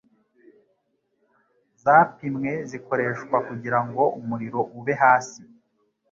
zapimwe zikoreshwa kugirango umuriro ube hasi